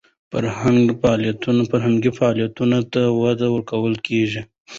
فرهنګي فعالیتونو ته وده ورکول کیږي.